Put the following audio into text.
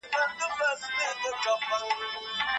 افغانستان څنګه په مسکو کي خپل سیاسي استازیتوب باوري کړ؟